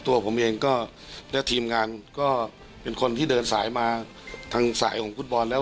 ตัวผมเองก็และทีมงานก็เป็นคนที่เดินสายมาทางสายของฟุตบอลแล้ว